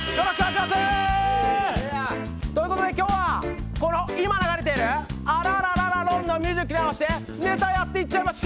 ということで今日は、今流れているアラララロンのミュージックに合わせてネタやっていっちゃいましょ。